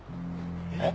えっ？